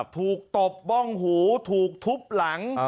ถูกตบมองหูถูกทุบหลัง